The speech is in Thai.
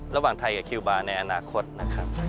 ระหว่างไทยกับคิวบาร์ในอนาคตนะครับ